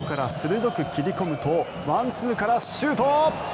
左サイドから鋭く切り込むとワンツーからシュート。